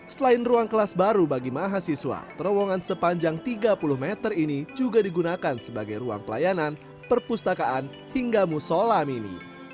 selain ruang kelas baru bagi mahasiswa terowongan sepanjang tiga puluh meter ini juga digunakan sebagai ruang pelayanan perpustakaan hingga musola mini